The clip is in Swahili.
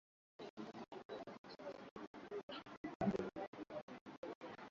Alipokuwa shuleni na wanafunzi wenzake alimtukana mwalimu